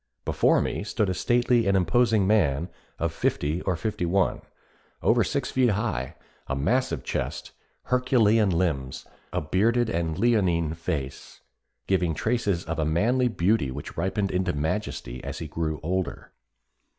Before me stood a stately and imposing man of fifty or fifty one, over six feet high, a massive chest, herculean limbs, a bearded and leonine face, giving traces of a manly beauty which ripened into majesty as he grew older.